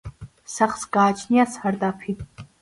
სახლს გააჩნია სარდაფი.